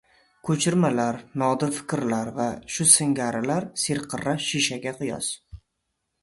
Ko‘chirmalar, nodir fikrlar va shu singarilar serqirra shishaga qiyos